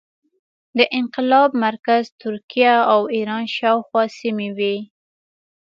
د انقلاب مرکز ترکیه او ایران شاوخوا سیمې وې.